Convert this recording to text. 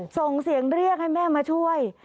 ส่งเสียงเรียกให้แม่มาช่วย